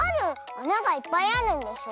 あながいっぱいあるんでしょ。